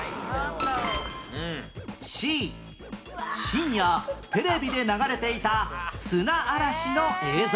Ｃ 深夜テレビで流れていた砂嵐の映像